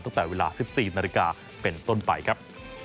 ตั้งแต่เวลา๑๔นาฬิกาเป็นต้นไปครับ